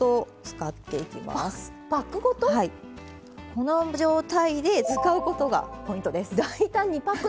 この状態で使うことがポイントです。